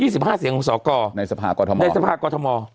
๒๕เสียงของสอกรในสภาคกรทม